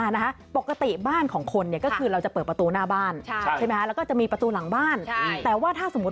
เดี๋ยวเดี๋ยว